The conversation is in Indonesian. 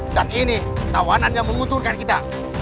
dan ini tawanan yang menguntungkan kita